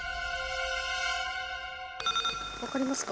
分かりますか？